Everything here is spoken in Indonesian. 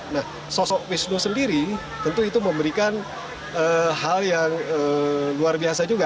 nah sosok wisnu sendiri tentu itu memberikan hal yang luar biasa juga